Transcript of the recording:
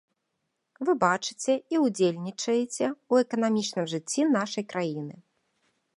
Вы бачыце і ўдзельнічаеце ў эканамічным жыцці нашай краіны.